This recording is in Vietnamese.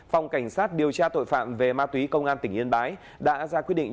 phòng cảnh sát điều tra tội phạm về ma túy công an tỉnh yên bái đã ra quyết định